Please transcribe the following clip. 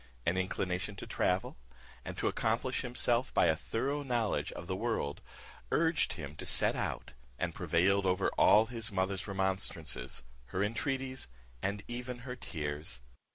An inclination to travel, and to accomplish himself by a thorough knowledge of the world, urged him to set out, and prevailed over all his mother's remonstrances, her entreaties, and even her tears.